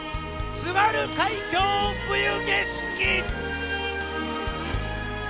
「津軽海峡・冬景色」。